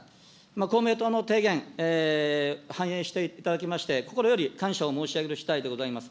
公明党の提言、反映していただきまして、心より感謝を申し上げるしだいでございます。